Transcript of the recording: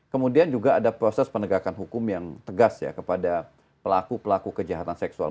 kemudian juga ada proses penegakan hukum yang tegas ya kepada pelaku pelaku kejahatan seksual